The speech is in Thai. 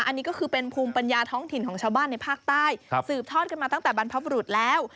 อันนี้ก็คือเป็นภูมิปัญญาท้องถิ่นของชาวบ้านในภาคใต้สืบทอดกันมาตั้งแต่บรรพบรุษแล้ว